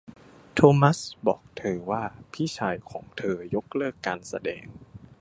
โทมัสบอกเธอว่าพี่ชายของเธอยกเลิกการแสดง